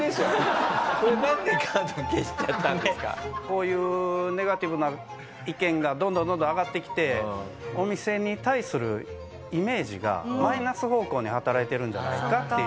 こういうネガティブな意見がどんどんどんどん上がってきてお店に対するイメージがマイナス方向に働いてるんじゃないかっていう。